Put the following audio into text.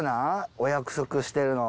お約束してるの。